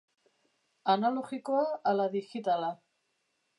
Analogikoa ala digitala?